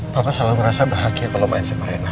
bapak selalu merasa bahagia kalau main sama rena